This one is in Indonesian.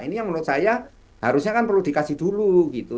ini yang menurut saya harusnya kan perlu dikasih dulu gitu